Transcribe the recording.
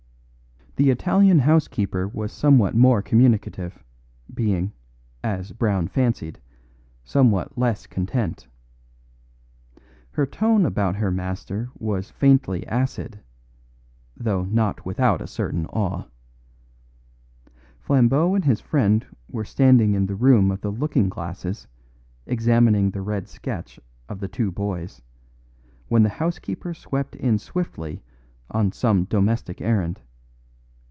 The Italian housekeeper was somewhat more communicative, being, as Brown fancied, somewhat less content. Her tone about her master was faintly acid; though not without a certain awe. Flambeau and his friend were standing in the room of the looking glasses examining the red sketch of the two boys, when the housekeeper swept in swiftly on some domestic errand.